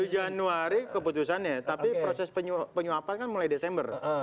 tujuh januari keputusannya tapi proses penyuapan kan mulai desember